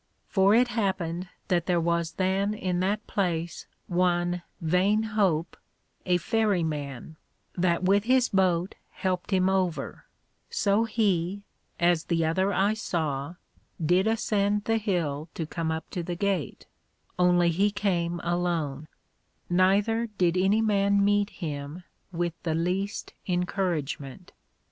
For it happened that there was then in that place one Vain hope a Ferry man, that with his Boat helped him over; so he, as the other I saw, did ascend the Hill to come up to the Gate, only he came alone; neither did any man meet him with the least encouragement.